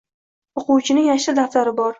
Oʻquvchining yashil daftari bor